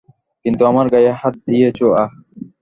কিন্তু আমার গায়ে হাত দিয়েছো, আহ!